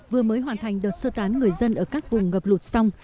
vừa mới hoàn thành đợt sơ tán người dân ở các vùng ngập lụt xong